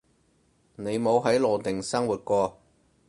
你冇喺羅定生活過